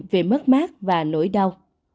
về mất mát và nỗi đau